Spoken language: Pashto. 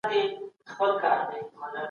که ته په حیواناتو رحم وکړې نو پر تا به رحم وشي.